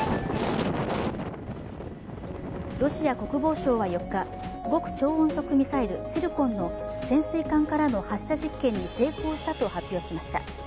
ロシア国防省は４日極超音速ミサイル、ツィルコンの潜水艦からの発射実験に成功したと発表しました。